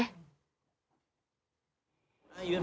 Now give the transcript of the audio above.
การเริ่มจัดของชล้วงค์